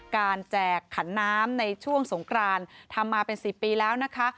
แจกขันน้ำในช่วงสงครานทำมาเป็น๑๐ปีแล้วนะคะ